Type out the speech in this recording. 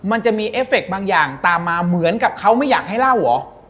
มันจะมีเอฟเฟคบางอย่างตามมาเหมือนกับเขาไม่อยากให้เล่าเหรอ